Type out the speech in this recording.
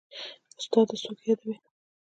استاده څوک يادوې.